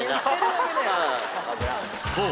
そう！